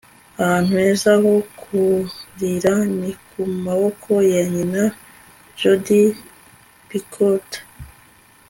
ahantu heza ho kurira ni ku maboko ya nyina - jodi picoult